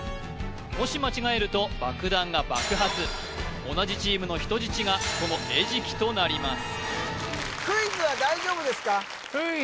もし間違えると爆弾が爆発同じチームの人質がその餌食となります